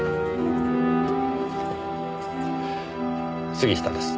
杉下です。